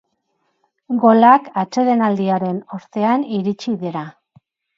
Golak atsedenaldiaren ostean iritsi dira.